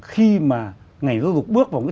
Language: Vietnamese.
khi mà ngày giáo dục bước vào